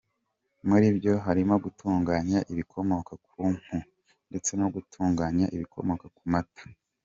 Muri ibyo harimo gutunganya ibikomoka ku mpu, ndetse no gutunganya ibikomoka ku Mata.